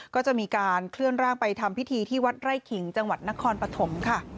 ก็จะมีการเคลื่อนร่างไปทำพิธีที่วัดไร่ขิงจังหวัดนครปฐมค่ะ